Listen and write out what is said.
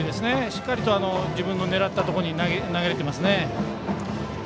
しっかり自分の狙ったところに投げれてますね。